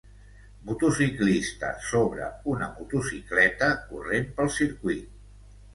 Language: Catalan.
Motociclista sobre una motocicleta corrent pel circuit.